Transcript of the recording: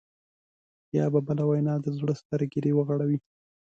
یا په بله وینا د زړه سترګې دې وغړوي.